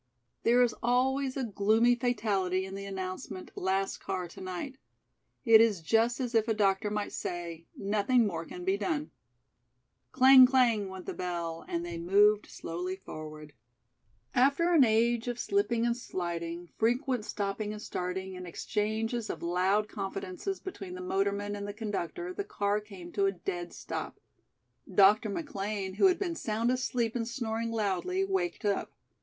There is always a gloomy fatality in the announcement, "Last car to night." It is just as if a doctor might say: "Nothing more can be done." Clang, clang, went the bell, and they moved slowly forward. After an age of slipping and sliding, frequent stopping and starting and exchanges of loud confidences between the motorman and the conductor, the car came to a dead stop. Dr. McLean, who had been sound asleep and snoring loudly, waked up.